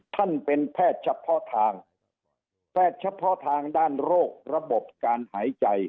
ท่านเป็นแพทย์เฉพาะทางแพทย์เฉพาะทางด้านโรคระบบการหายใจ